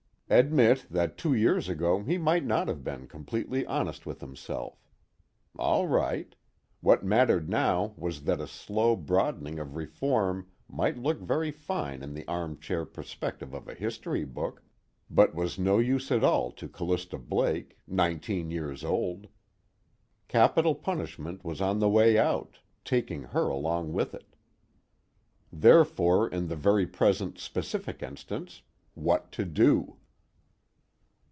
Admit that two years ago he might not have been completely honest with himself. All right: what mattered now was that a slow broadening of reform might look very fine in the armchair perspective of a history book, but was no use at all to Callista Blake, nineteen years old. Capital punishment was on the way out, taking her along with it. Therefore in the very present specific instance: _What to do?